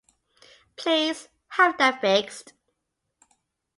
Please have that fixed.